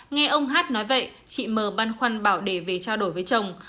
nghe ông h nói vậy chị m băn khoăn bảo để về trao đổi với chồng